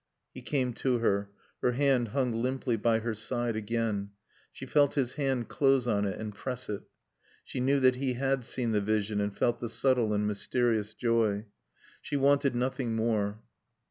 He came to her. Her hand hung limply by her side again. She felt his hand close on it and press it. She knew that he had seen the vision and felt the subtle and mysterious joy. She wanted nothing more.